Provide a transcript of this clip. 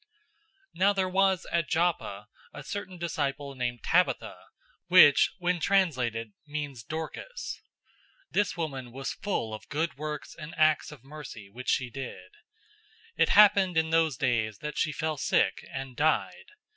009:036 Now there was at Joppa a certain disciple named Tabitha, which when translated, means Dorcas.{"Dorcas" is Greek for "Gazelle."} This woman was full of good works and acts of mercy which she did. 009:037 It happened in those days that she fell sick, and died.